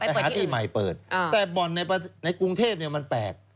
ไปหาที่ใหม่เปิดแต่บ่อนในกรุงเทพมันแปลก